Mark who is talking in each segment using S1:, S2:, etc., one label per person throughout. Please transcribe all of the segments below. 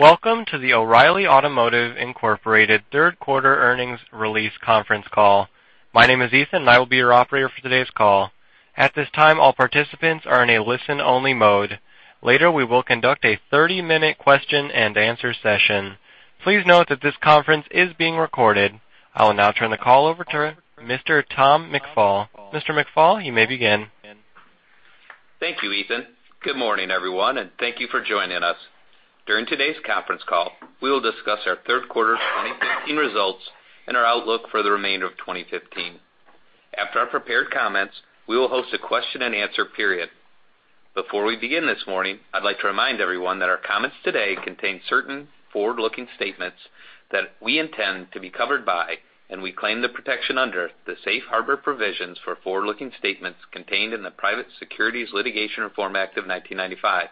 S1: Welcome to the O'Reilly Automotive Incorporated third quarter earnings release conference call. My name is Ethan, and I will be your operator for today's call. At this time, all participants are in a listen-only mode. Later, we will conduct a 30-minute question and answer session. Please note that this conference is being recorded. I will now turn the call over to Mr. Tom McFall. Mr. McFall, you may begin.
S2: Thank you, Ethan. Good morning, everyone, and thank you for joining us. During today's conference call, we will discuss our third quarter 2015 results and our outlook for the remainder of 2015. After our prepared comments, we will host a question and answer period. Before we begin this morning, I'd like to remind everyone that our comments today contain certain forward-looking statements that we intend to be covered by, and we claim the protection under, the safe harbor provisions for forward-looking statements contained in the Private Securities Litigation Reform Act of 1995.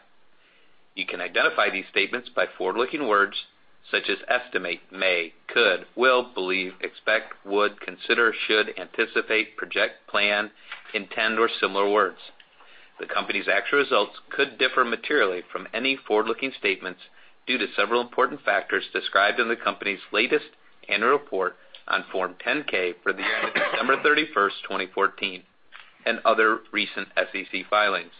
S2: You can identify these statements by forward-looking words such as estimate, may, could, will, believe, expect, would, consider, should, anticipate, project, plan, intend, or similar words. The company's actual results could differ materially from any forward-looking statements due to several important factors described in the company's latest annual report on Form 10-K for the year ending December 31st, 2014, and other recent SEC filings.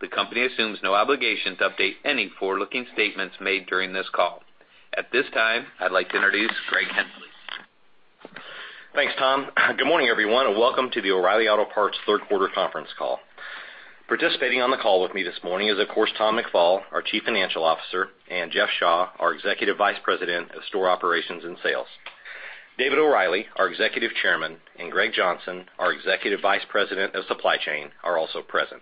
S2: The company assumes no obligation to update any forward-looking statements made during this call. At this time, I'd like to introduce Greg Henslee.
S3: Thanks, Tom. Good morning, everyone, and welcome to the O'Reilly Auto Parts third quarter conference call. Participating on the call with me this morning is, of course, Tom McFall, our Chief Financial Officer, and Jeff Shaw, our Executive Vice President of Store Operations and Sales. David O'Reilly, our Executive Chairman, and Greg Johnson, our Executive Vice President of Supply Chain, are also present.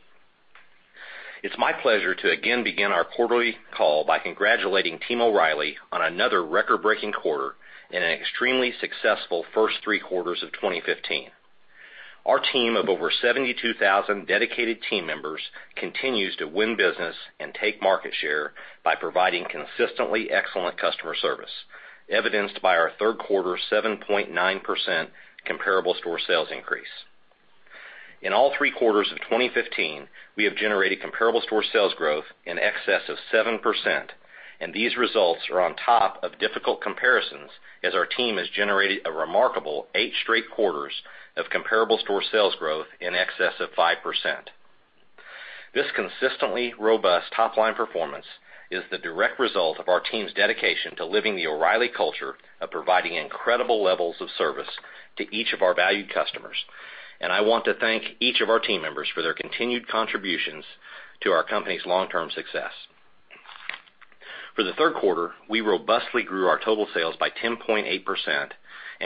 S3: It's my pleasure to again begin our quarterly call by congratulating Team O'Reilly on another record-breaking quarter and an extremely successful first three quarters of 2015. Our team of over 72,000 dedicated team members continues to win business and take market share by providing consistently excellent customer service, evidenced by our third quarter 7.9% comparable store sales increase. In all three quarters of 2015, we have generated comparable store sales growth in excess of 7%. These results are on top of difficult comparisons as our team has generated a remarkable eight straight quarters of comparable store sales growth in excess of 5%. This consistently robust top-line performance is the direct result of our team's dedication to living the O'Reilly culture of providing incredible levels of service to each of our valued customers. I want to thank each of our team members for their continued contributions to our company's long-term success. For the third quarter, we robustly grew our total sales by 10.8%.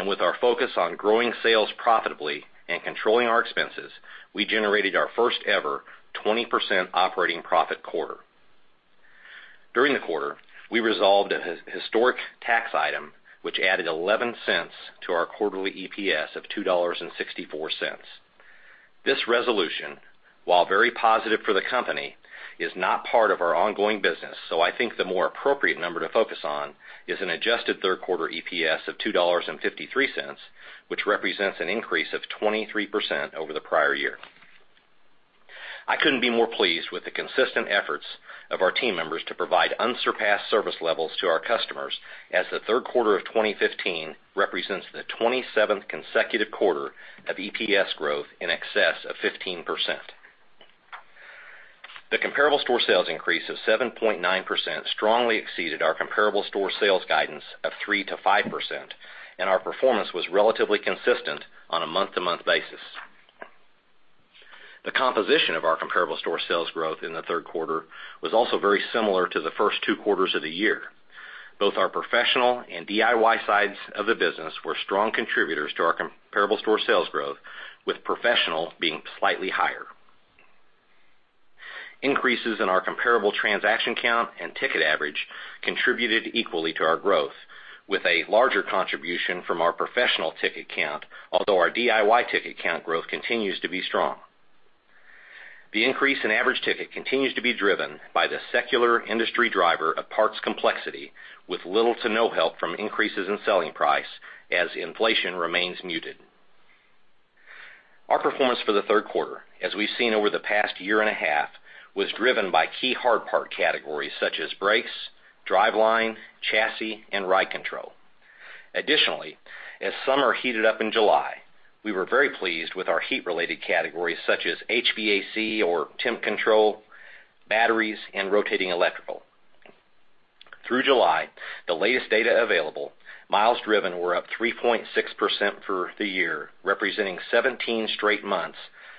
S3: With our focus on growing sales profitably and controlling our expenses, we generated our first-ever 20% operating profit quarter. During the quarter, we resolved a historic tax item, which added $0.11 to our quarterly EPS of $2.64. This resolution, while very positive for the company, is not part of our ongoing business. I think the more appropriate number to focus on is an adjusted third-quarter EPS of $2.53, which represents an increase of 23% over the prior year. I couldn't be more pleased with the consistent efforts of our team members to provide unsurpassed service levels to our customers as the third quarter of 2015 represents the 27th consecutive quarter of EPS growth in excess of 15%. The comparable store sales increase of 7.9% strongly exceeded our comparable store sales guidance of 3%-5%. Our performance was relatively consistent on a month-to-month basis. The composition of our comparable store sales growth in the third quarter was also very similar to the first two quarters of the year. Both our professional and DIY sides of the business were strong contributors to our comparable store sales growth, with professional being slightly higher. Increases in our comparable transaction count and ticket average contributed equally to our growth, with a larger contribution from our professional ticket count, although our DIY ticket count growth continues to be strong. The increase in average ticket continues to be driven by the secular industry driver of parts complexity with little to no help from increases in selling price as inflation remains muted. Our performance for the third quarter, as we've seen over the past year and a half, was driven by key hard part categories such as brakes, driveline, chassis, and ride control. Additionally, as summer heated up in July, we were very pleased with our heat-related categories such as HVAC or temp control, batteries, and rotating electrical. Through July, the latest data available, miles driven were up 3.6% for the year, representing 17 straight months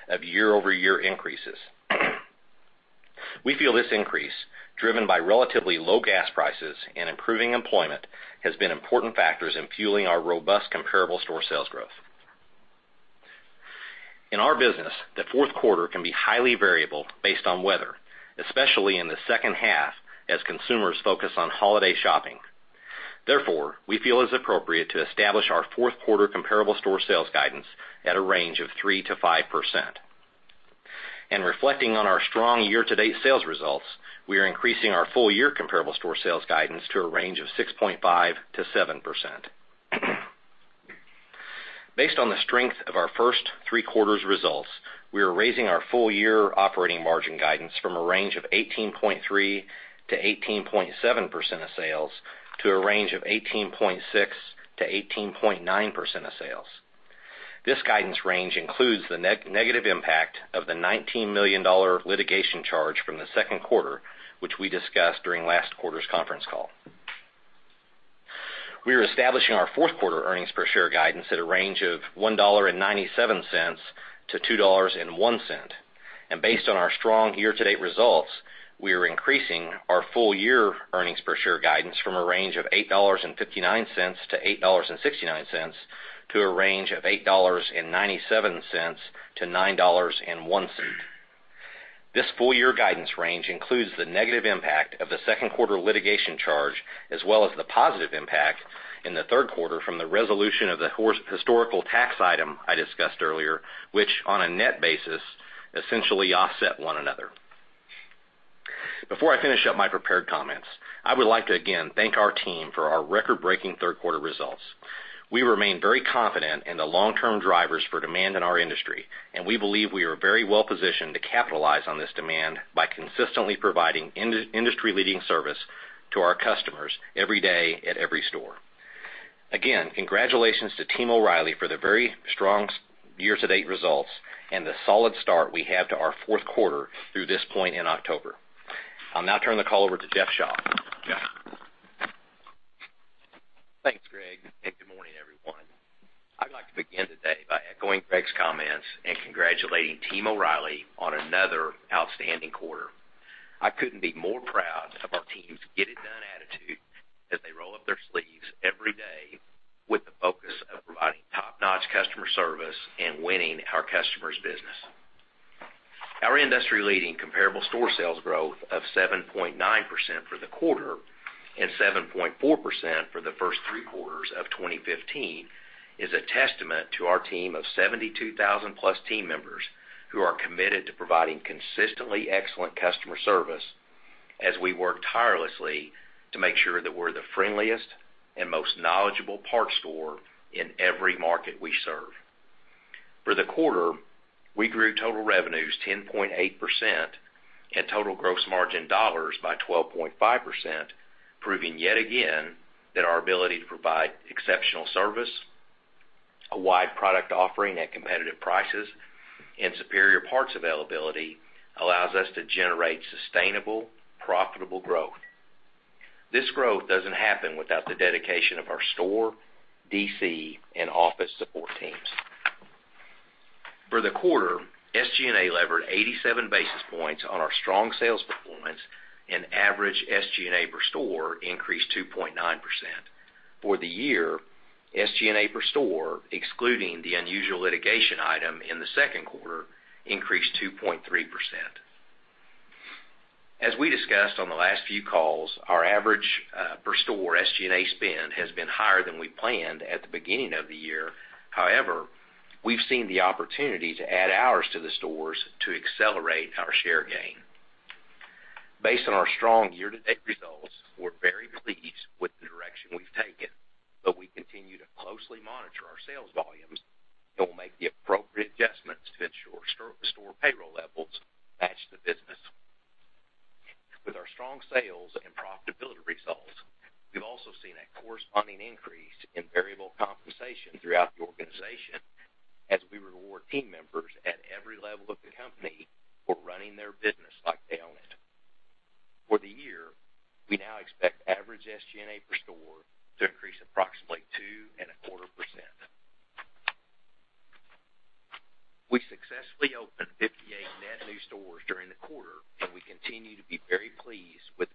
S3: of year-over-year increases. We feel this increase, driven by relatively low gas prices and improving employment, has been important factors in fueling our robust comparable store sales growth. In our business, the fourth quarter can be highly variable based on weather, especially in the second half as consumers focus on holiday shopping. Therefore, we feel it's appropriate to establish our fourth quarter comparable store sales guidance at a range of 3%-5%. Reflecting on our strong year-to-date sales results, we are increasing our full-year comparable store sales guidance to a range of 6.5%-7%. Based on the strength of our first three quarters results, we are raising our full year operating margin guidance from a range of 18.3%-18.7% of sales to a range of 18.6%-18.9% of sales. This guidance range includes the negative impact of the $19 million litigation charge from the second quarter, which we discussed during last quarter's conference call. We are establishing our fourth quarter earnings per share guidance at a range of $1.97-$2.01. Based on our strong year-to-date results, we are increasing our full year earnings per share guidance from a range of $8.59-$8.69 to a range of $8.97-$9.01. This full year guidance range includes the negative impact of the second quarter litigation charge, as well as the positive impact in the third quarter from the resolution of the historical tax item I discussed earlier, which on a net basis, essentially offset one another. Before I finish up my prepared comments, I would like to again thank our team for our record-breaking third quarter results. We remain very confident in the long-term drivers for demand in our industry, and we believe we are very well positioned to capitalize on this demand by consistently providing industry-leading service to our customers every day at every store. Again, congratulations to Team O'Reilly for the very strong year-to-date results and the solid start we have to our fourth quarter through this point in October. I'll now turn the call over to Jeff Shaw. Jeff?
S4: Thanks, Greg, and good morning, everyone. I'd like to begin today by echoing Greg's comments and congratulating Team O'Reilly on another outstanding quarter. I couldn't be more proud of our team's get-it-done attitude as they roll up their sleeves every day with the focus of providing top-notch customer service and winning our customers' business. Our industry-leading comparable store sales growth of 7.9% for the quarter and 7.4% for the first three quarters of 2015 is a testament to our team of 72,000-plus team members who are committed to providing consistently excellent customer service as we work tirelessly to make sure that we're the friendliest and most knowledgeable parts store in every market we serve. For the quarter, we grew total revenues 10.8% and total gross margin dollars by 12.5%, proving yet again that our ability to provide exceptional service, a wide product offering at competitive prices, and superior parts availability allows us to generate sustainable, profitable growth. This growth doesn't happen without the dedication of our store, DC, and office support teams. For the quarter, SG&A levered 87 basis points on our strong sales performance and average SG&A per store increased 2.9%. For the year, SG&A per store, excluding the unusual litigation item in the second quarter, increased 2.3%. As we discussed on the last few calls, our average per store SG&A spend has been higher than we planned at the beginning of the year. However, we've seen the opportunity to add hours to the stores to accelerate our share gain. Based on our strong year-to-date results, we're very pleased with the direction we've taken, but we continue to closely monitor our sales volumes and will make the appropriate adjustments to ensure store payroll levels match the business. With our strong sales and profitability results, we've also seen a corresponding increase in variable compensation throughout the organization as we reward team members at every level of the company for running their business like they own it. For the year, we now expect average SG&A per store to increase approximately 2.25%. We successfully opened 58 net new stores during the quarter, and we continue to be very pleased with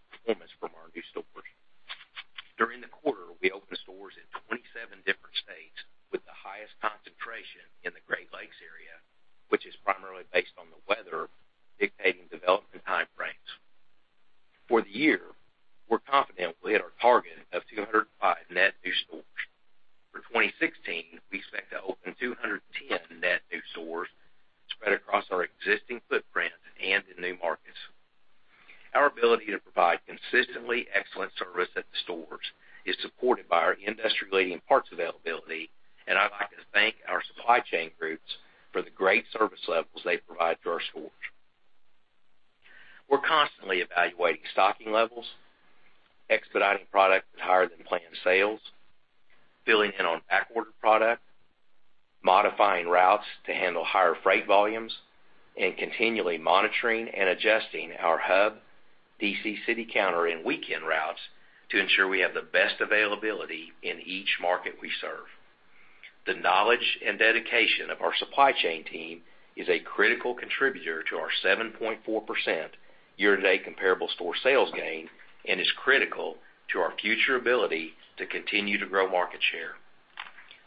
S4: year-to-date comparable store sales gain and is critical to our future ability to continue to grow market share.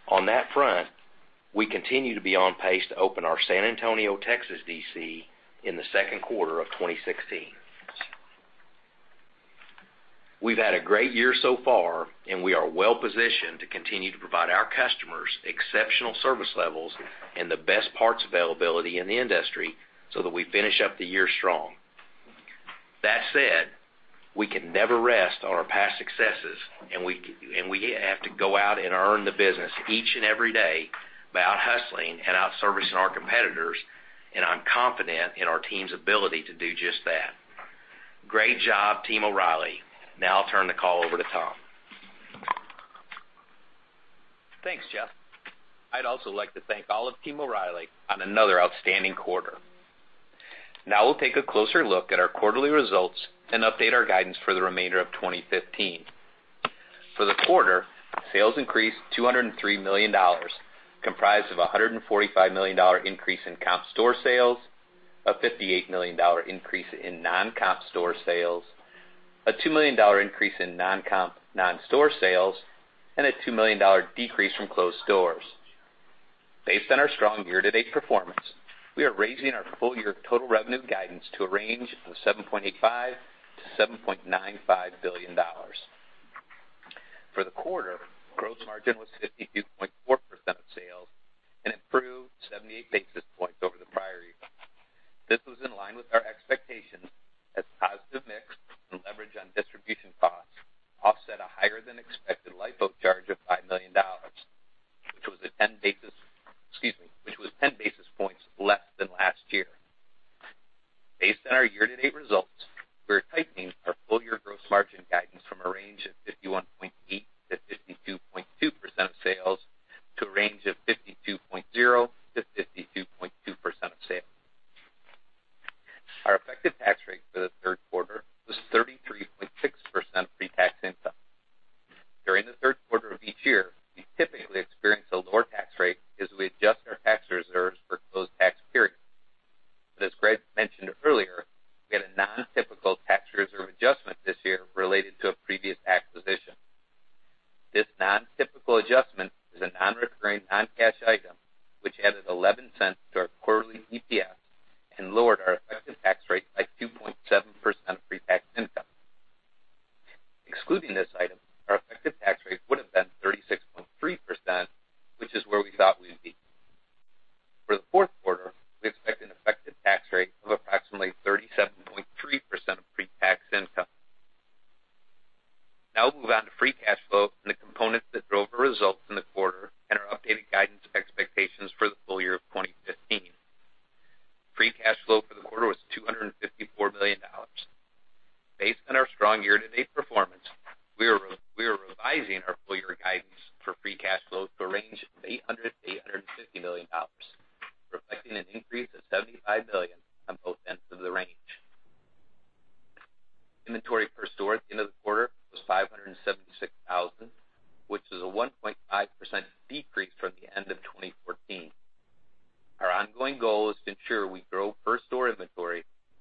S4: On that front, we continue to be on pace to open our San Antonio, Texas DC in the second quarter of 2016. We've had a great year so far, and we are well positioned to continue to provide our customers exceptional service levels and the best parts availability in the industry so that we finish up the year strong. That said, we can never rest on our past successes, and we have to go out and earn the business each and every day by out-hustling and out-servicing our competitors. I'm confident in our team's ability to do just that. Great job, Team O’Reilly. Now I'll turn the call over to Tom.
S2: Thanks, Jeff. I'd also like to thank all of Team O’Reilly on another outstanding quarter. Now we'll take a closer look at our quarterly results and update our guidance for the remainder of 2015. For the quarter, sales increased $203 million, comprised of $145 million increase in comp store sales, a $58 million increase in non-comp store sales, a $2 million increase in non-comp non-store sales, and a $2 million decrease from closed stores. Based on our strong year-to-date performance, we are raising our full-year total revenue guidance to a range of $7.85 billion-$7.95 billion. For the quarter, gross margin was 52.4% of sales and improved 78 basis points over the prior year. This was in line with our expectations as positive mix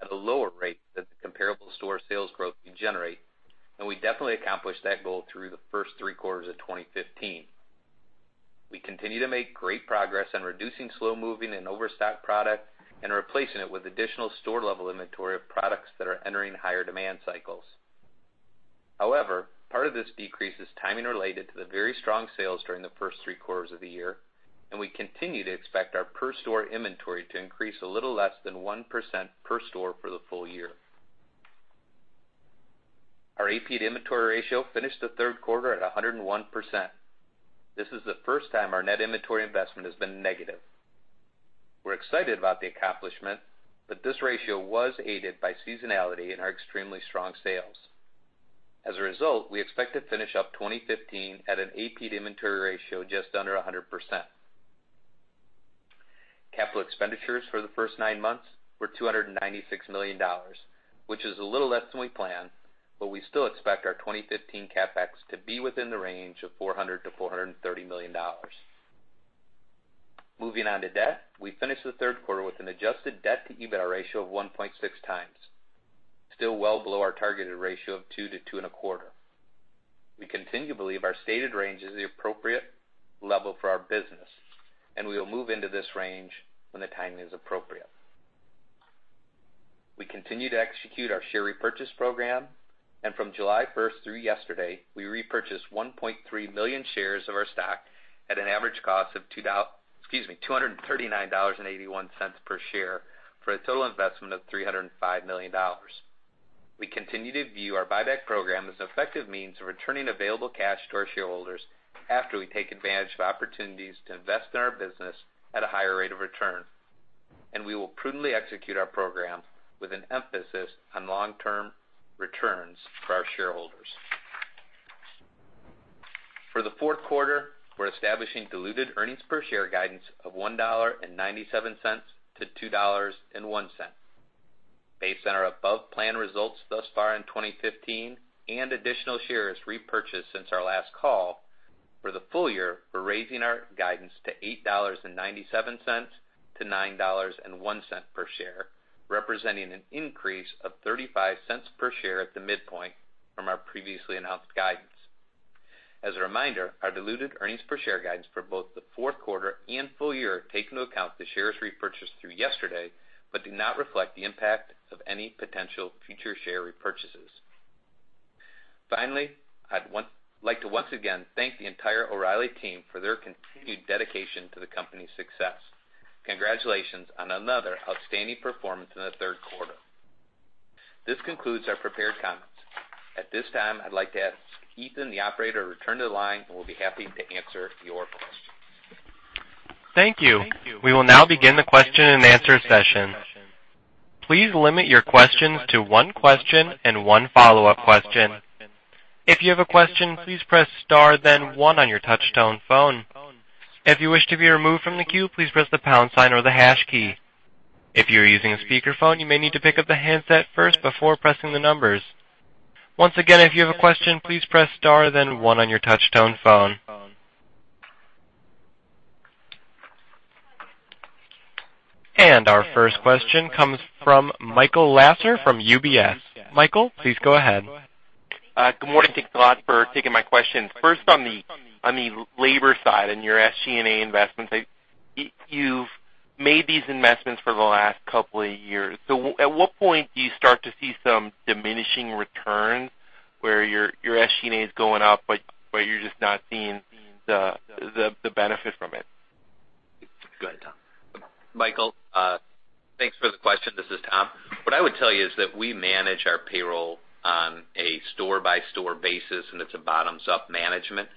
S2: at a lower rate than the comparable store sales growth we generate, and we definitely accomplished that goal through the first three quarters of 2015. We continue to make great progress on reducing slow-moving and overstock product and replacing it with additional store-level inventory of products that are entering higher demand cycles. Part of this decrease is timing related to the very strong sales during the first three quarters of the year, and we continue to expect our per store inventory to increase a little less than 1% per store for the full year. Our AP to inventory ratio finished the third quarter at 101%. This is the first time our net inventory investment has been negative. We're excited about the accomplishment, this ratio was aided by seasonality and our extremely strong sales. As a result, we expect to finish up 2015 at an AP to inventory ratio just under 100%. Capital expenditures for the first nine months were $296 million, which is a little less than we planned, we still expect our 2015 CapEx to be within the range of $400 million-$430 million. Moving on to debt. We finished the third quarter with an adjusted debt-to-EBITDA ratio of 1.6 times, still well below our targeted ratio of two to two and a quarter. We continue to believe our stated range is the appropriate level for our business, we will move into this range when the timing is appropriate. We continue to execute our share repurchase program, from July 1st through yesterday, we repurchased 1.3 million shares of our stock at an average cost of $239.81 per share for a total investment of $305 million. We continue to view our buyback program as an effective means of returning available cash to our shareholders after we take advantage of opportunities to invest in our business at a higher rate of return. We will prudently execute our program with an emphasis on long-term returns for our shareholders. For the fourth quarter, we are establishing diluted earnings per share guidance of $1.97 to $2.01. Based on our above-plan results thus far in 2015 and additional shares repurchased since our last call, for the full year, we are raising our guidance to $8.97 to $9.01 per share, representing an increase of $0.35 per share at the midpoint from our previously announced guidance. As a reminder, our diluted earnings per share guidance for both the fourth quarter and full year take into account the shares repurchased through yesterday but do not reflect the impact of any potential future share repurchases. Finally, I would like to once again thank the entire O'Reilly team for their continued dedication to the company's success. Congratulations on another outstanding performance in the third quarter. This concludes our prepared comments. At this time, I would like to ask Ethan, the operator, to return to the line, and we will be happy to answer your questions.
S1: Thank you. We will now begin the question and answer session. Please limit your questions to one question and one follow-up question. If you have a question, please press star then one on your touch-tone phone. If you wish to be removed from the queue, please press the pound sign or the hash key. If you are using a speakerphone, you may need to pick up the handset first before pressing the numbers. Once again, if you have a question, please press star then one on your touch-tone phone. Our first question comes from Michael Lasser from UBS. Michael, please go ahead.
S5: Good morning. Thanks a lot for taking my questions. First, on the labor side and your SG&A investments. You have made these investments for the last couple of years. At what point do you start to see some diminishing returns where your SG&A is going up, but you are just not seeing the benefit from it?
S3: Go ahead, Tom.
S2: Michael, thanks for the question. This is Tom. What I would tell you is that we manage our payroll on a store-by-store basis, and it's a bottoms-up management.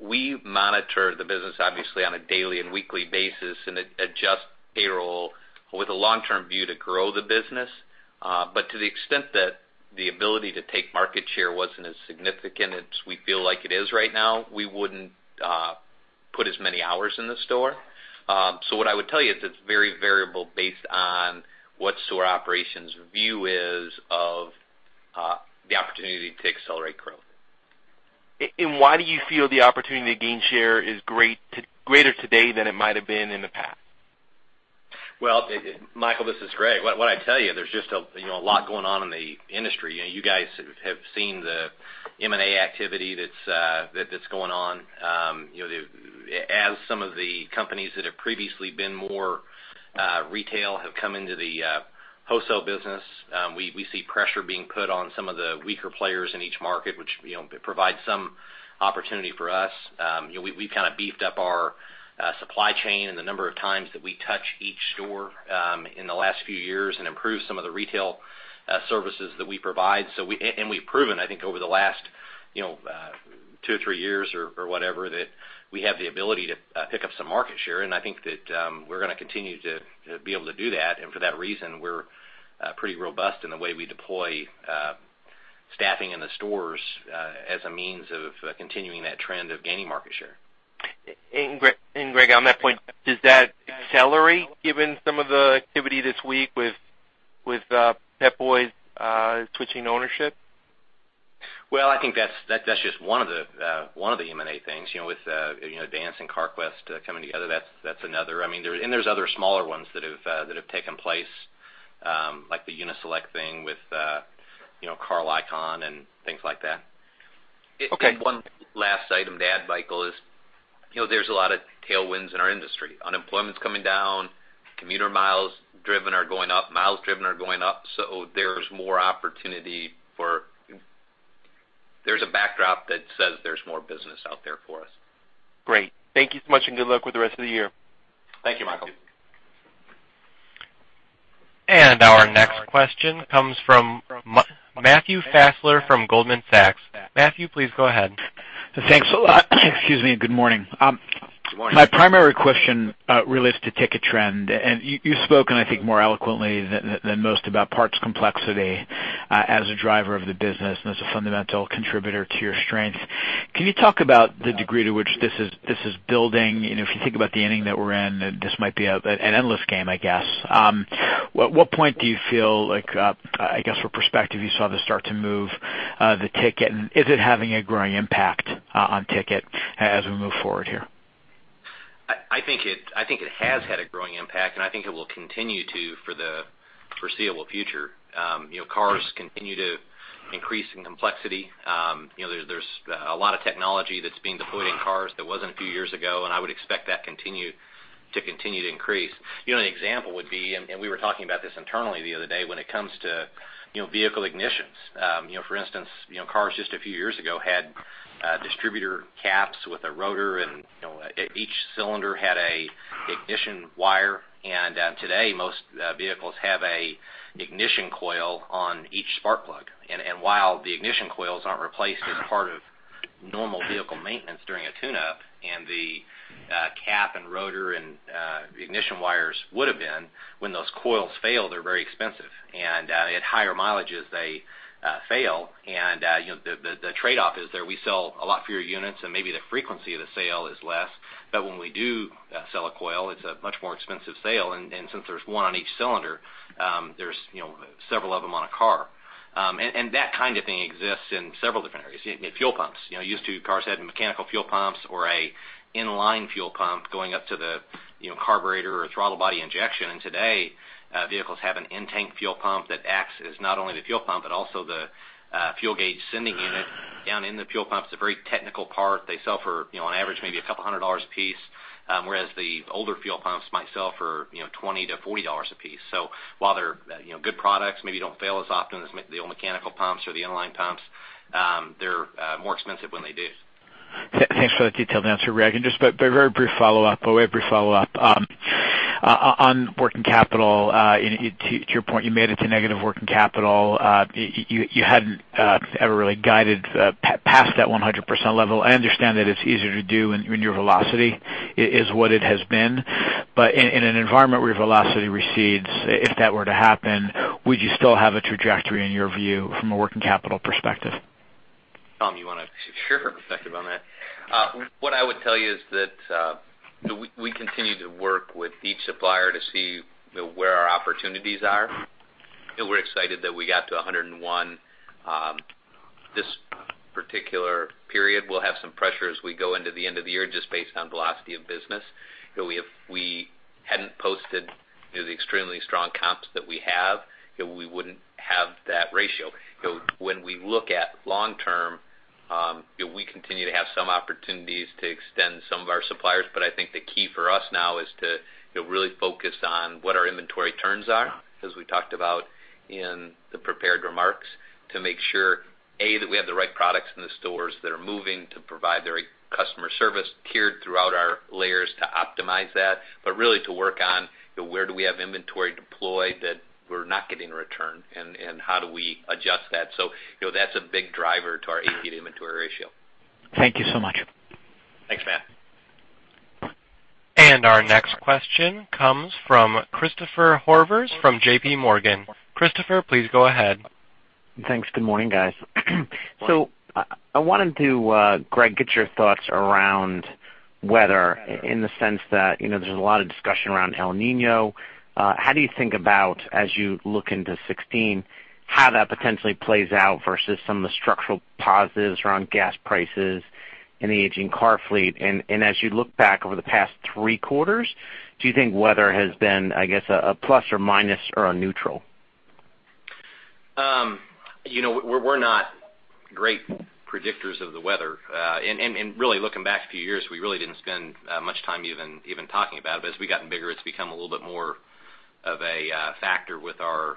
S2: We monitor the business, obviously, on a daily and weekly basis and adjust payroll with a long-term view to grow the business. To the extent that the ability to take market share wasn't as significant as we feel like it is right now, we wouldn't put as many hours in the store. What I would tell you is it's very variable based on what store operations' view is of the opportunity to accelerate growth.
S5: Why do you feel the opportunity to gain share is greater today than it might have been in the past?
S3: Well, Michael, this is Greg. What I'd tell you, there's just a lot going on in the industry. You guys have seen the M&A activity that's going on. As some of the companies that have previously been more retail have come into the wholesale business, we see pressure being put on some of the weaker players in each market, which provides some opportunity for us. We've kind of beefed up our supply chain and the number of times that we touch each store in the last few years and improved some of the retail services that we provide. We've proven, I think, over the last two or three years or whatever, that we have the ability to pick up some market share. I think that we're going to continue to be able to do that. For that reason, we're pretty robust in the way we deploy staffing in the stores as a means of continuing that trend of gaining market share.
S5: Greg, on that point, does that accelerate given some of the activity this week with Pep Boys switching ownership?
S3: Well, I think that's just one of the M&A things. With Advance and Carquest coming together, that's another. There's other smaller ones that have taken place, like the Uni-Select thing with Carl Icahn and things like that.
S5: Okay.
S3: One last item to add, Michael, is there's a lot of tailwinds in our industry. Unemployment's coming down, commuter miles driven are going up, miles driven are going up, so there's more opportunity. There's a backdrop that says there's more business out there for us.
S5: Great. Thank you so much, good luck with the rest of the year.
S3: Thank you, Michael.
S1: Our next question comes from Matthew Fassler from Goldman Sachs. Matthew, please go ahead.
S6: Thanks a lot. Excuse me. Good morning.
S3: Good morning.
S6: My primary question relates to ticket trend. You've spoken, I think, more eloquently than most about parts complexity as a driver of the business and as a fundamental contributor to your strength. Can you talk about the degree to which this is building? If you think about the inning that we're in, this might be an endless game, I guess. What point do you feel like, I guess, from perspective, you saw this start to move the ticket, and is it having a growing impact on ticket as we move forward here?
S3: I think it has had a growing impact, I think it will continue to for the foreseeable future. Cars continue to increase in complexity. There's a lot of technology that's being deployed in cars that wasn't a few years ago, I would expect that to continue to increase. An example would be, We were talking about this internally the other day, when it comes to vehicle ignitions. For instance, cars just a few years ago had distributor caps with a rotor, each cylinder had a ignition wire. Today, most vehicles have a ignition coil on each spark plug. While the ignition coils aren't replaced as part of normal vehicle maintenance during a tune-up, the cap and rotor and ignition wires would have been, when those coils fail, they're very expensive. At higher mileages, they fail, the trade-off is that we sell a lot fewer units, maybe the frequency of the sale is less. When we do sell a coil, it's a much more expensive sale, since there's one on each cylinder, there's several of them on a car. That kind of thing exists in several different areas. Fuel pumps. Used to, cars had mechanical fuel pumps or a inline fuel pump going up to the carburetor or throttle body injection. Today, vehicles have an in-tank fuel pump that acts as not only the fuel pump, but also the fuel gauge sending unit down in the fuel pump. It's a very technical part. They sell for, on average, maybe a couple hundred dollars a piece, whereas the older fuel pumps might sell for $20-$40 a piece. While they're good products, maybe don't fail as often as the old mechanical pumps or the inline pumps, they're more expensive when they do.
S6: Thanks for the detailed answer, Greg. Just a very brief follow-up on working capital. To your point, you made it to negative working capital. You hadn't ever really guided past that 100% level. I understand that it's easier to do when your velocity is what it has been. In an environment where velocity recedes, if that were to happen, would you still have a trajectory, in your view, from a working capital perspective?
S3: Tom, you wanna?
S2: Sure. Perspective on that. What I would tell you is that, we continue to work with each supplier to see where our opportunities are, and we're excited that we got to 101 this particular period. We'll have some pressure as we go into the end of the year, just based on velocity of business. If we hadn't posted the extremely strong comps that we have, we wouldn't have that ratio. When we look at long term, we continue to have some opportunities to extend some of our suppliers. I think the key for us now is to really focus on what our inventory turns are, as we talked about in the prepared remarks, to make sure, A, that we have the right products in the stores that are moving to provide the customer service tiered throughout our layers to optimize that. Really to work on where do we have inventory deployed that we're not getting a return, and how do we adjust that? That's a big driver to our AP to inventory ratio.
S6: Thank you so much.
S2: Thanks, Matt.
S1: Our next question comes from Christopher Horvers from JPMorgan. Christopher, please go ahead.
S7: Thanks. Good morning, guys. I wanted to, Greg, get your thoughts around weather in the sense that there's a lot of discussion around El Niño. How do you think about, as you look into 2016, how that potentially plays out versus some of the structural positives around gas prices and the aging car fleet? As you look back over the past three quarters, do you think weather has been, I guess, a plus or minus or a neutral?
S2: We're not great predictors of the weather. Really looking back a few years, we really didn't spend much time even talking about it. As we've gotten bigger, it's become a little bit more of a factor with our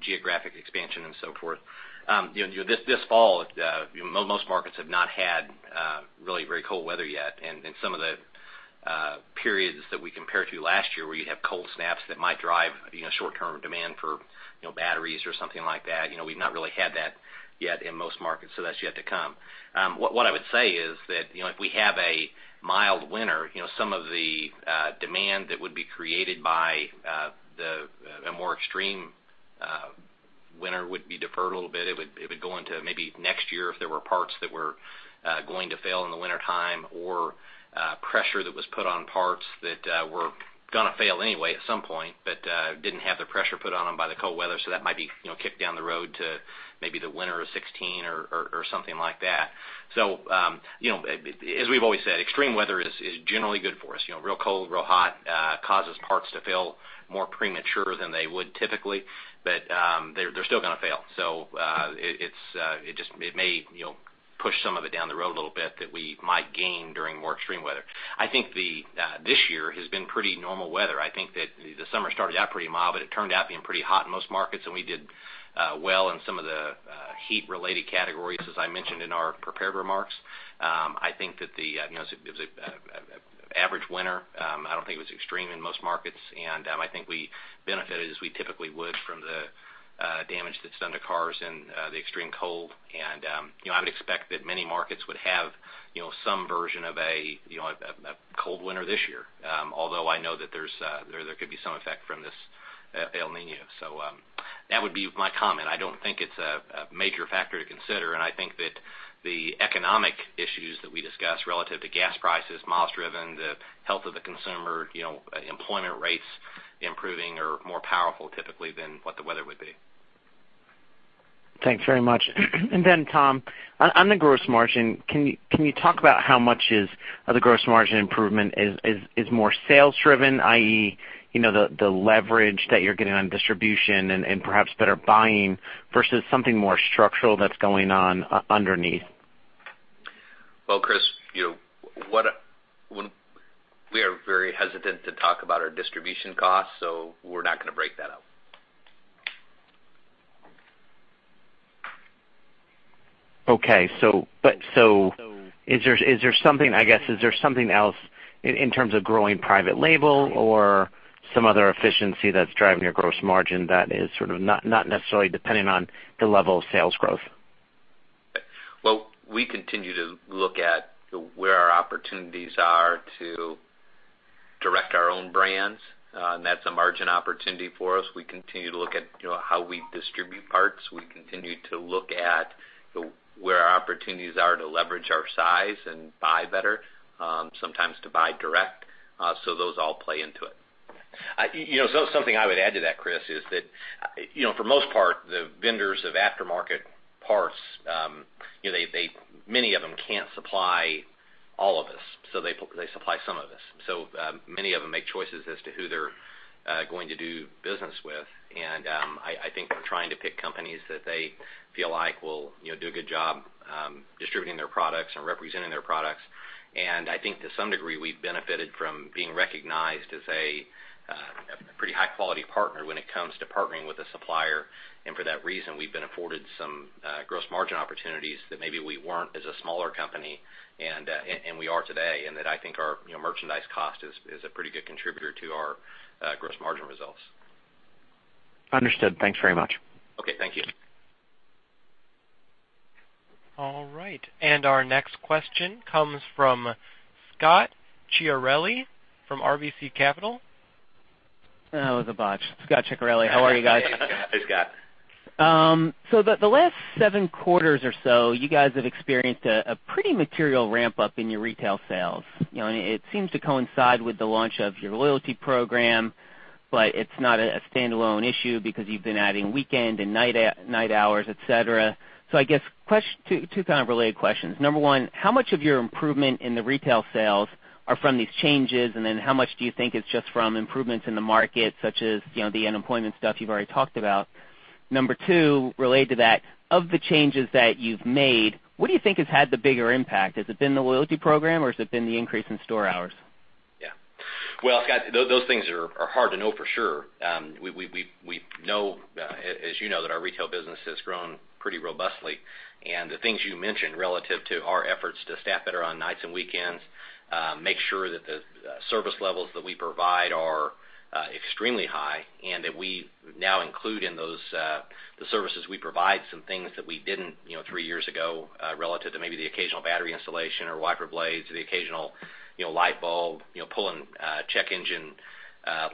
S2: geographic expansion and so forth. This fall, most markets have not had really very cold weather yet. Some of the periods that we compare to last year, where you'd have cold snaps that might drive short-term demand for batteries or something like that, we've not really had that yet in most markets, that's yet to come. What I would say is that, if we have a mild winter, some of the demand that would be created by a more extreme winter would be deferred a little bit. It would go into maybe next year if there were parts that were going to fail in the wintertime or pressure that was put on parts that were gonna fail anyway at some point but didn't have the pressure put on them by the cold weather. That might be kicked down the road to maybe the winter of 2016 or something like that. As we've always said, extreme weather is generally good for us. Real cold, real hot, causes parts to fail more premature than they would typically, but they're still gonna fail. It may push some of it down the road a little bit that we might gain during more extreme weather. I think this year has been pretty normal weather. I think that the summer started out pretty mild, but it turned out being pretty hot in most markets, and we did well in some of the heat-related categories, as I mentioned in our prepared remarks. I'd know it was an average winter. I don't think it was extreme in most markets. I think we benefited as we typically would from the damage that's done to cars in the extreme cold. I would expect that many markets would have some version of a cold winter this year. Although I know that there could be some effect from this El Niño. That would be my comment. I don't think it's a major factor to consider, I think that the economic issues that we discuss relative to gas prices, miles driven, the health of the consumer, employment rates improving, are more powerful typically than what the weather would be.
S7: Thanks very much. Tom, on the gross margin, can you talk about how much of the gross margin improvement is more sales driven, i.e., the leverage that you're getting on distribution and perhaps better buying versus something more structural that's going on underneath?
S2: Well, Chris, we are very hesitant to talk about our distribution costs, we're not gonna break that out.
S7: Okay. Is there something else in terms of growing private label or some other efficiency that's driving your gross margin that is sort of not necessarily depending on the level of sales growth?
S2: Well, we continue to look at where our opportunities are to direct our own brands. That's a margin opportunity for us. We continue to look at how we distribute parts. We continue to look at where our opportunities are to leverage our size and buy better, sometimes to buy direct. Those all play into it.
S3: Something I would add to that, Chris, is that, for most part, the vendors of aftermarket parts, many of them can't supply all of us, so they supply some of us. Many of them make choices as to who they're going to do business with. I think they're trying to pick companies that they feel like will do a good job distributing their products and representing their products. I think to some degree, we've benefited from being recognized as a A pretty high-quality partner when it comes to partnering with a supplier. For that reason, we've been afforded some gross margin opportunities that maybe we weren't as a smaller company, and we are today. That I think our merchandise cost is a pretty good contributor to our gross margin results.
S7: Understood. Thanks very much.
S3: Okay. Thank you.
S1: Our next question comes from Scot Ciccarelli from RBC Capital.
S8: Oh, that was a botch. Scot Ciccarelli, how are you guys?
S3: Hey, Scot.
S8: The last seven quarters or so, you guys have experienced a pretty material ramp-up in your retail sales. It seems to coincide with the launch of your loyalty program, but it's not a standalone issue because you've been adding weekend and night hours, et cetera. I guess two kind of related questions. Number one, how much of your improvement in the retail sales are from these changes? Then how much do you think is just from improvements in the market, such as the unemployment stuff you've already talked about? Number two, related to that, of the changes that you've made, what do you think has had the bigger impact? Has it been the loyalty program, or has it been the increase in store hours?
S3: Yeah. Well, Scot, those things are hard to know for sure. We know, as you know, that our retail business has grown pretty robustly. The things you mentioned relative to our efforts to staff better on nights and weekends, make sure that the service levels that we provide are extremely high, and that we now include in those services we provide some things that we didn't three years ago, relative to maybe the occasional battery installation or wiper blades or the occasional light bulb, pulling check engine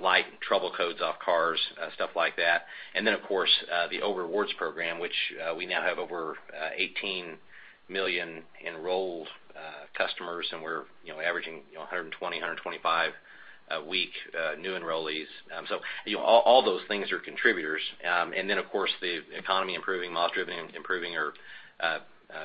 S3: light trouble codes off cars, stuff like that. Then, of course, the O'Reilly Rewards program, which we now have over 18 million enrolled customers, and we're averaging 120, 125 a week new enrollees. All those things are contributors. Then, of course, the economy improving, miles driven improving are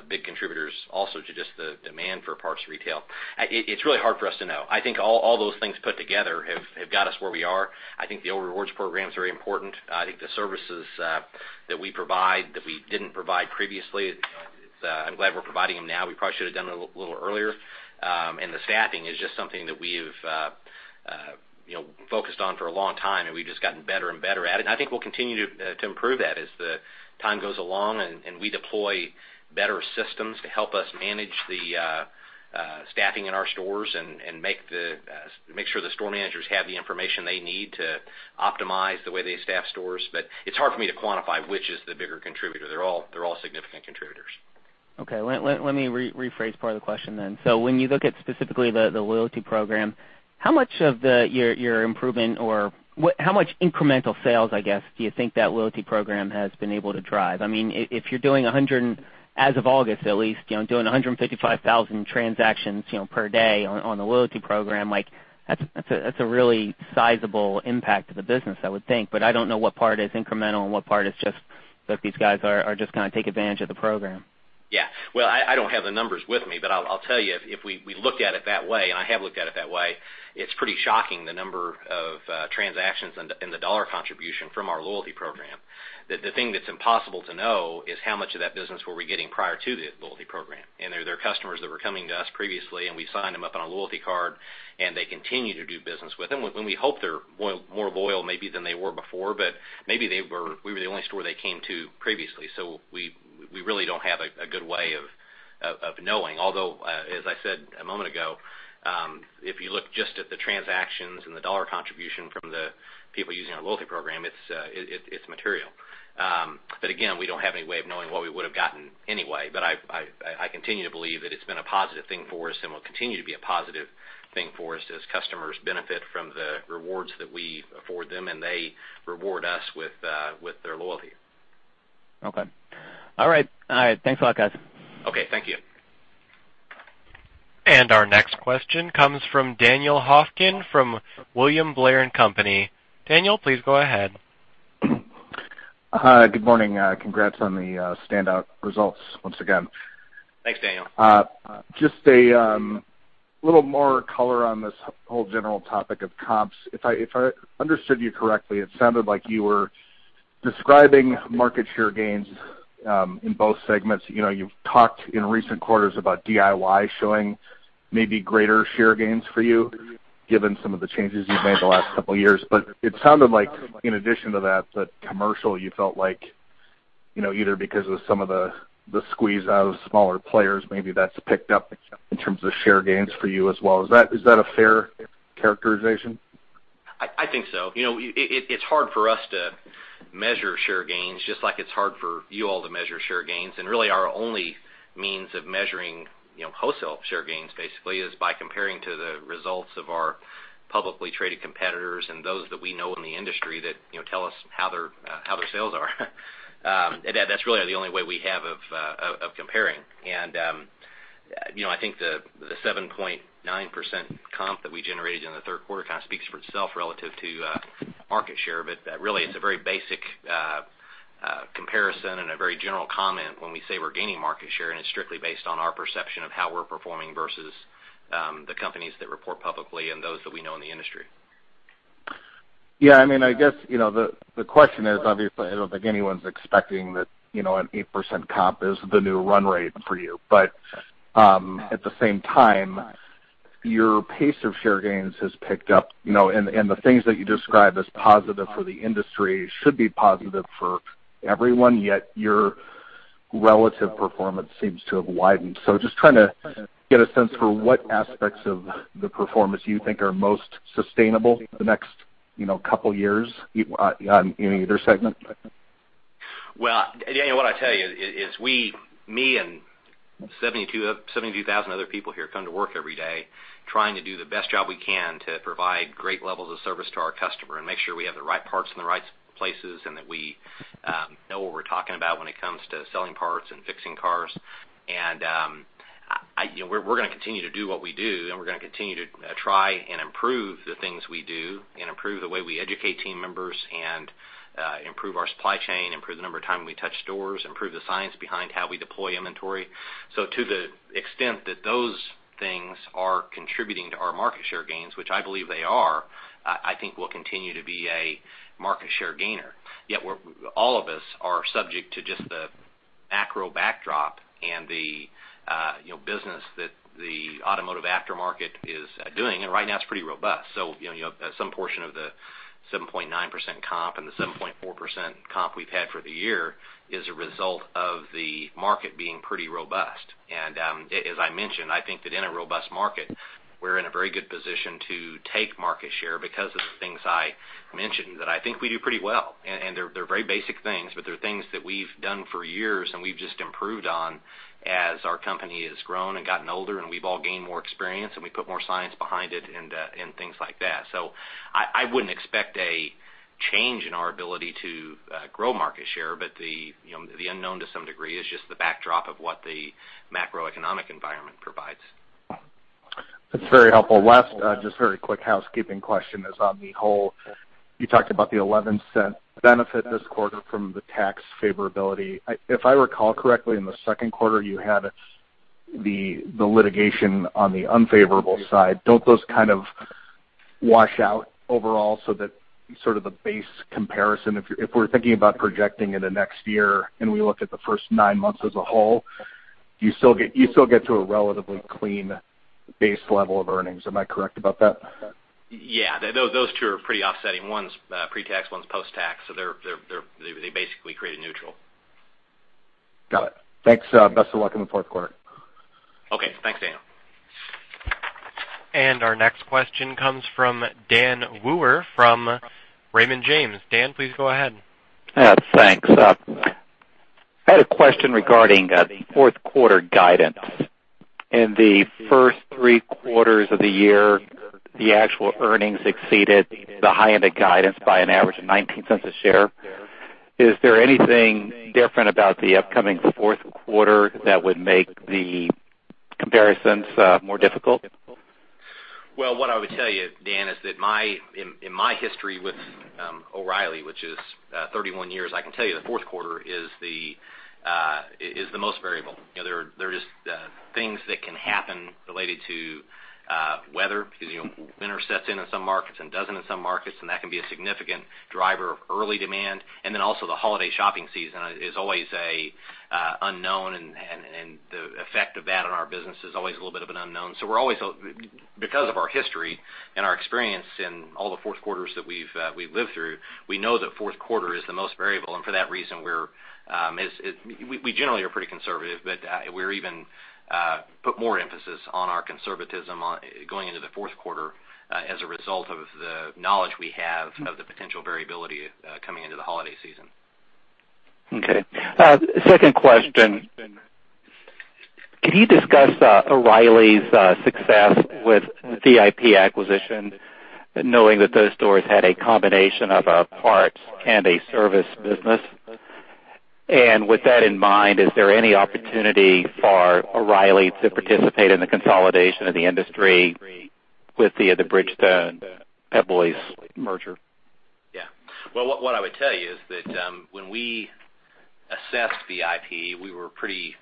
S3: big contributors also to just the demand for parts retail. It's really hard for us to know. I think all those things put together have got us where we are. I think the O'Reilly Rewards program is very important. I think the services that we provide that we didn't provide previously, I'm glad we're providing them now. We probably should've done it a little earlier. The staffing is just something that we've focused on for a long time, and we've just gotten better and better at it. I think we'll continue to improve that as the time goes along and we deploy better systems to help us manage the staffing in our stores and make sure the store managers have the information they need to optimize the way they staff stores. It's hard for me to quantify which is the bigger contributor. They're all significant contributors.
S8: Okay. Let me rephrase part of the question then. When you look at specifically the loyalty program, how much of your improvement or how much incremental sales, I guess, do you think that loyalty program has been able to drive? If you're doing, as of August at least, doing 155,000 transactions per day on the loyalty program, that's a really sizable impact to the business, I would think. I don't know what part is incremental and what part is just that these guys are just kind of taking advantage of the program.
S3: Yeah. Well, I don't have the numbers with me, but I'll tell you, if we looked at it that way, and I have looked at it that way, it's pretty shocking the number of transactions and the dollar contribution from our loyalty program. The thing that's impossible to know is how much of that business were we getting prior to the loyalty program. There are customers that were coming to us previously, and we signed them up on a loyalty card, and they continue to do business with them. We hope they're more loyal maybe than they were before, but maybe we were the only store they came to previously. We really don't have a good way of knowing. Although, as I said a moment ago, if you look just at the transactions and the dollar contribution from the people using our loyalty program, it's material. Again, we don't have any way of knowing what we would've gotten anyway. I continue to believe that it's been a positive thing for us and will continue to be a positive thing for us as customers benefit from the rewards that we afford them, and they reward us with their loyalty.
S8: Okay. All right. Thanks a lot, guys.
S3: Okay. Thank you.
S1: Our next question comes from Daniel Hofkin from William Blair & Company. Daniel, please go ahead.
S9: Hi. Good morning. Congrats on the standout results once again.
S3: Thanks, Daniel.
S9: Just a little more color on this whole general topic of comps. If I understood you correctly, it sounded like you were describing market share gains in both segments. You've talked in recent quarters about DIY showing maybe greater share gains for you given some of the changes you've made the last couple of years. It sounded like in addition to that commercial, you felt like either because of some of the squeeze out of smaller players, maybe that's picked up in terms of share gains for you as well. Is that a fair characterization?
S3: I think so. It's hard for us to measure share gains, just like it's hard for you all to measure share gains. Really our only means of measuring wholesale share gains basically is by comparing to the results of our publicly traded competitors and those that we know in the industry that tell us how their sales are. That's really the only way we have of comparing. I think the 7.9% comp that we generated in the third quarter kind of speaks for itself relative to market share. Really it's a very basic comparison and a very general comment when we say we're gaining market share, and it's strictly based on our perception of how we're performing versus the companies that report publicly and those that we know in the industry.
S9: Yeah. I guess the question is, obviously, I don't think anyone's expecting that an 8% comp is the new run rate for you. At the same time, your pace of share gains has picked up and the things that you describe as positive for the industry should be positive for everyone, yet your relative performance seems to have widened. Just trying to get a sense for what aspects of the performance you think are most sustainable the next couple of years in either segment.
S3: Well, Daniel, what I tell you is we, me and 72,000 other people here come to work every day trying to do the best job we can to provide great levels of service to our customer and make sure we have the right parts in the right places, and that we know what we're talking about when it comes to selling parts and fixing cars. We're going to continue to do what we do, we're going to continue to try and improve the things we do and improve the way we educate team members and improve our supply chain, improve the number of times we touch doors, improve the science behind how we deploy inventory. To the extent that those things are contributing to our market share gains, which I believe they are, I think we'll continue to be a market share gainer. Yet all of us are subject to just the macro backdrop and the business that the automotive aftermarket is doing. Right now it's pretty robust. Some portion of the 7.9% comp and the 7.4% comp we've had for the year is a result of the market being pretty robust. As I mentioned, I think that in a robust market, we're in a very good position to take market share because of the things I mentioned that I think we do pretty well. They're very basic things, but they're things that we've done for years, and we've just improved on as our company has grown and gotten older and we've all gained more experience and we put more science behind it and things like that. I wouldn't expect a change in our ability to grow market share. The unknown to some degree is just the backdrop of what the macroeconomic environment provides.
S9: That's very helpful. Last, just very quick housekeeping question is on the whole, you talked about the $0.11 benefit this quarter from the tax favorability. If I recall correctly, in the second quarter, you had the litigation on the unfavorable side. Don't those kind of wash out overall so that sort of the base comparison, if we're thinking about projecting in the next year and we look at the first nine months as a whole, you still get to a relatively clean base level of earnings. Am I correct about that?
S3: Yeah, those two are pretty offsetting. One's pre-tax, one's post-tax, so they basically create a neutral.
S9: Got it. Thanks. Best of luck in the fourth quarter.
S3: Okay. Thanks, Daniel.
S1: Our next question comes from Dan Wewer from Raymond James. Dan, please go ahead.
S10: Yeah, thanks. I had a question regarding fourth quarter guidance. In the first three quarters of the year, the actual earnings exceeded the high end of guidance by an average of $0.19 a share. Is there anything different about the upcoming fourth quarter that would make the comparisons more difficult?
S3: Well, what I would tell you, Dan, is that in my history with O'Reilly, which is 31 years, I can tell you the fourth quarter is the most variable. There are just things that can happen related to weather because winter sets in some markets and doesn't in some markets, and that can be a significant driver of early demand. The holiday shopping season is always an unknown. The effect of that on our business is always a little bit of an unknown. Because of our history and our experience in all the fourth quarters that we've lived through, we know that fourth quarter is the most variable. For that reason, we generally are pretty conservative, but we even put more emphasis on our conservatism going into the fourth quarter as a result of the knowledge we have of the potential variability, coming into the holiday season.
S10: Okay. Second question. Can you discuss O'Reilly's success with VIP acquisition, knowing that those stores had a combination of a parts and a service business? With that in mind, is there any opportunity for O'Reilly to participate in the consolidation of the industry with the Bridgestone Pep Boys merger?
S3: Well, what I would tell you is that when we assessed VIP, we were pretty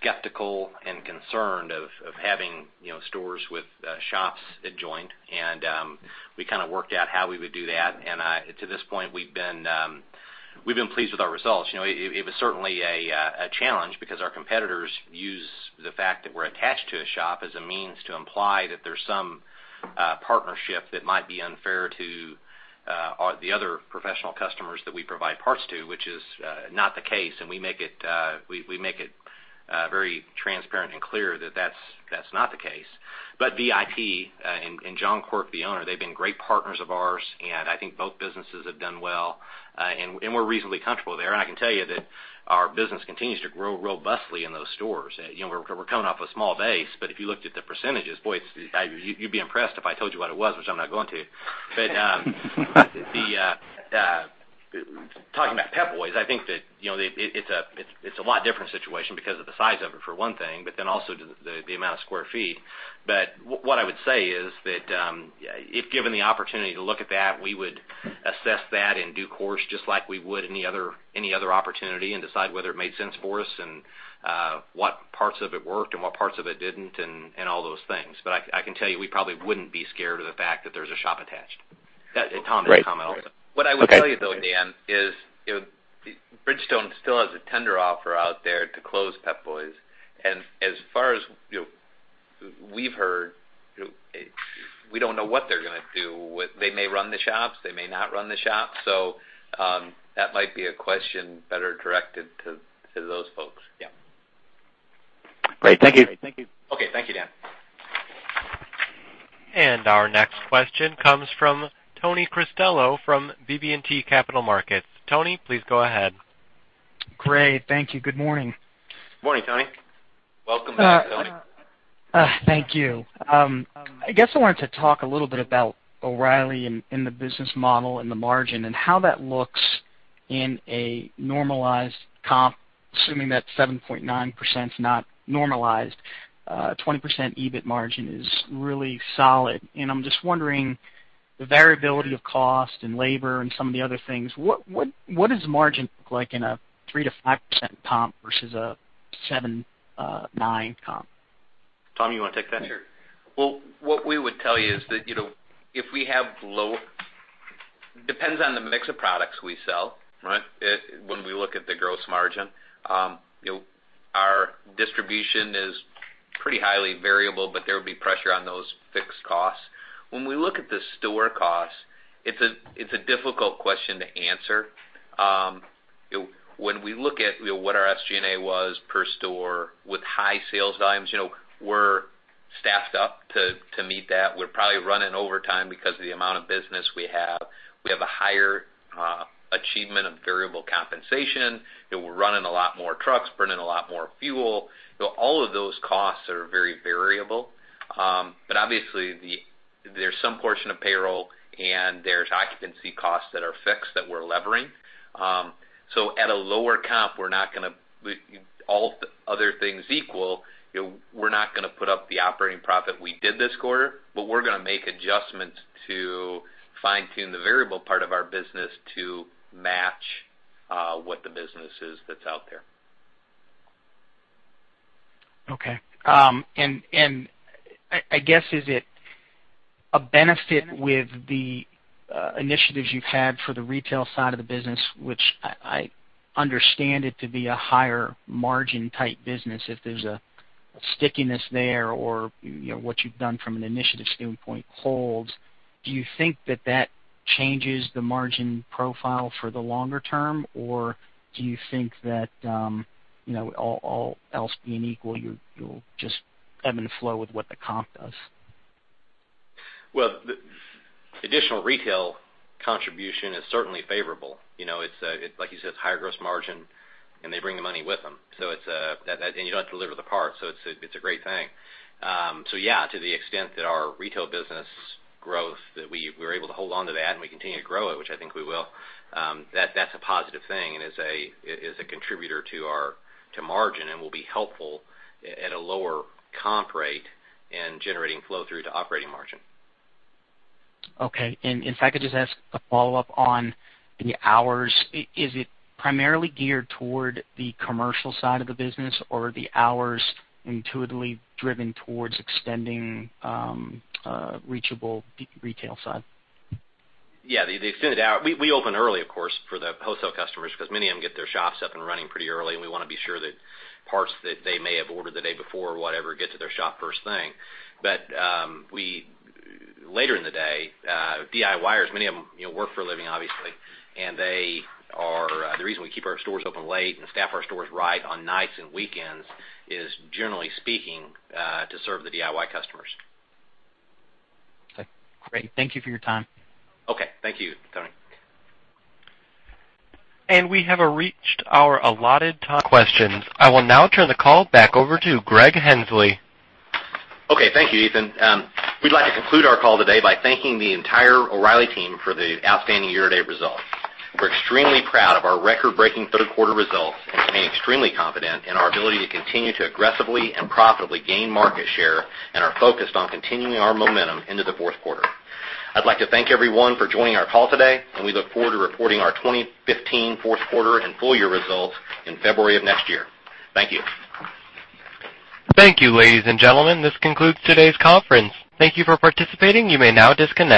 S3: skeptical and concerned of having stores with shops adjoined. We kind of worked out how we would do that. To this point, we've been pleased with our results. It was certainly a challenge because our competitors use the fact that we're attached to a shop as a means to imply that there's some partnership that might be unfair to the other professional customers that we provide parts to, which is not the case. We make it very transparent and clear that that's not the case. VIP and John Quirk, the owner, they've been great partners of ours, and I think both businesses have done well. We're reasonably comfortable there. I can tell you that our business continues to grow robustly in those stores. We're coming off a small base, if you looked at the percentages, boy, you'd be impressed if I told you what it was, which I'm not going to. Talking about Pep Boys, I think that it's a lot different situation because of the size of it, for one thing, then also the amount of square feet. What I would say is that if given the opportunity to look at that, we would assess that in due course, just like we would any other opportunity. Decide whether it made sense for us, what parts of it worked, what parts of it didn't, all those things. I can tell you, we probably wouldn't be scared of the fact that there's a shop attached. Tom can comment also.
S2: Okay. What I would tell you though, Dan, is Bridgestone still has a tender offer out there to close Pep Boys. As far as we've heard.
S3: We don't know what they're going to do. They may run the shops, they may not run the shops. That might be a question better directed to those folks. Yeah.
S10: Great. Thank you.
S3: Okay. Thank you, Dan.
S1: Our next question comes from Anthony Cristello from BB&T Capital Markets. Tony, please go ahead.
S11: Great. Thank you. Good morning.
S3: Morning, Tony. Welcome back, Tony.
S11: Thank you. I guess I wanted to talk a little bit about O’Reilly and the business model and the margin and how that looks in a normalized comp, assuming that 7.9% is not normalized. 20% EBIT margin is really solid, and I'm just wondering the variability of cost and labor and some of the other things. What is margin look like in a 3%-5% comp versus a 7%-9% comp?
S3: Tom, you want to take that?
S2: Sure. Well, what we would tell you is that if we have low. It depends on the mix of products we sell.
S3: Right.
S2: When we look at the gross margin, our distribution is pretty highly variable, but there would be pressure on those fixed costs. When we look at the store costs, it's a difficult question to answer. When we look at what our SG&A was per store with high sales volumes, we're staffed up to meet that. We're probably running overtime because of the amount of business we have. We have a higher achievement of variable compensation. We're running a lot more trucks, burning a lot more fuel. All of those costs are very variable. Obviously, there's some portion of payroll and there's occupancy costs that are fixed that we're levering. At a lower comp, all other things equal, we're not going to put up the operating profit we did this quarter, but we're going to make adjustments to fine-tune the variable part of our business to match what the business is that's out there.
S11: Okay. I guess, is it a benefit with the initiatives you've had for the retail side of the business, which I understand it to be a higher margin type business, if there's a stickiness there or what you've done from an initiative standpoint holds. Do you think that that changes the margin profile for the longer term? Do you think that, all else being equal, you'll just ebb and flow with what the comp does?
S3: The additional retail contribution is certainly favorable. Like you said, it's higher gross margin and they bring the money with them. You don't have to deliver the part, it's a great thing. Yeah, to the extent that our retail business growth, that we're able to hold onto that and we continue to grow it, which I think we will, that's a positive thing and is a contributor to margin and will be helpful at a lower comp rate in generating flow-through to operating margin.
S11: Okay. If I could just ask a follow-up on the hours. Is it primarily geared toward the commercial side of the business or are the hours intuitively driven towards extending reachable retail side?
S3: Yeah. We open early, of course, for the wholesale customers because many of them get their shops up and running pretty early, we want to be sure that parts that they may have ordered the day before or whatever get to their shop first thing. Later in the day, DIYers, many of them work for a living obviously, the reason we keep our stores open late and staff our stores right on nights and weekends is generally speaking, to serve the DIY customers.
S11: Okay, great. Thank you for your time.
S3: Okay. Thank you, Tony.
S1: We have reached our allotted time for questions. I will now turn the call back over to Greg Henslee.
S3: Okay. Thank you, Ethan. We'd like to conclude our call today by thanking the entire O’Reilly team for the outstanding year-to-date results. We're extremely proud of our record-breaking third quarter results and remain extremely confident in our ability to continue to aggressively and profitably gain market share and are focused on continuing our momentum into the fourth quarter. I'd like to thank everyone for joining our call today, and we look forward to reporting our 2015 fourth quarter and full year results in February of next year. Thank you.
S1: Thank you, ladies and gentlemen. This concludes today's conference. Thank you for participating. You may now disconnect.